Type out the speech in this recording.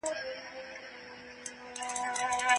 مېلمه ويل وران ښه دی، برابر نه دی په کار